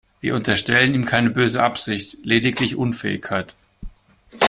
Wir unterstellen ihm keine böse Absicht, lediglich Unfähigkeit.